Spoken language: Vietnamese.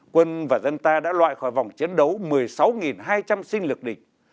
quân và dân ta đã loại khỏi vòng chiến đấu một mươi sáu hai trăm linh sinh lực địch